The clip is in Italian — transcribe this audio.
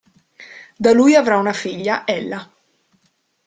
Da lui avrà una figlia, Ella.